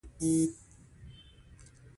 د پیرود ځای ته نوی جنس راغلی و.